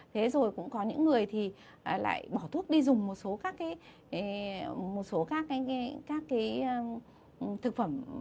thế rồi cũng có những người thì lại bỏ thuốc đi dùng một số các cái thực phẩm